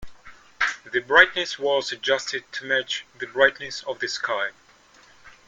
The brightness was adjusted to match the brightness of the sky.